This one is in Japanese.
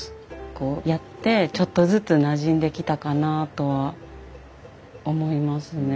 こうやってちょっとずつなじんできたかなあとは思いますね。